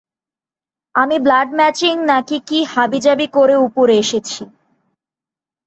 আমি blood matching নাকি কী হাবিজাবি করে উপরে এসেছি।